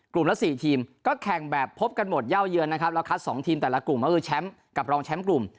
ละ๔ทีมก็แข่งแบบพบกันหมดเย่าเยือนนะครับแล้วคัด๒ทีมแต่ละกลุ่มก็คือแชมป์กับรองแชมป์กลุ่ม